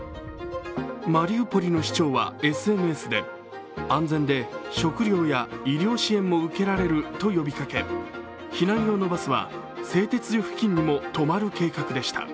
マリウポリの市長はＳＮＳで安全で食料や医療支援も受けられると呼びかけ、避難用のバスは製鉄所付近にも止まる計画でした。